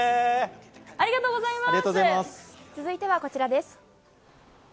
続いてはこちらです。